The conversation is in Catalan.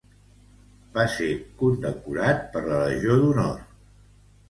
Va ser condecorat per la Legió d'Honor.